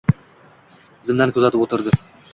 Zimdan kuzatib o‘tirdi.